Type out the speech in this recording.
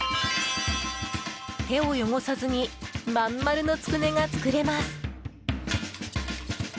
手を汚さずに真ん丸のつくねが作れます。